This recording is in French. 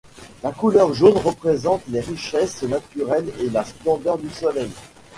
La couleur jaune représente les richesses naturelles et la splendeur du soleil.